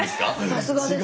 さすがですよね。